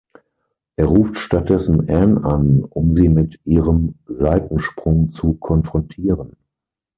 Er ruft stattdessen Ann an, um sie mit ihrem Seitensprung zu konfrontieren.